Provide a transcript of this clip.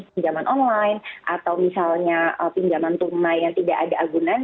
pinjaman online atau misalnya pinjaman tunai yang tidak ada agunan